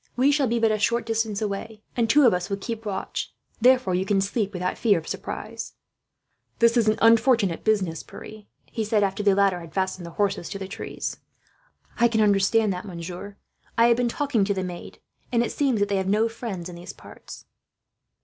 We shall be but a short distance away, and two of us will keep watch; therefore you can sleep without fear of surprise." "This is an unfortunate business, Pierre," he said, after the latter had fastened the horses to the trees. "I can understand that, monsieur. I have been talking to the maid, and it seems that they have no friends in these parts."